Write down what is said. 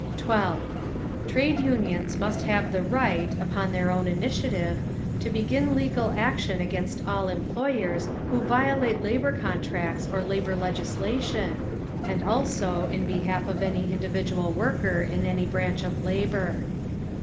12. Trade Unions must have the right, upon their own initiative, to begin legal action against all employers who violate labour contracts or labour legislation, and also in behalf of any individual worker in any branch of labour.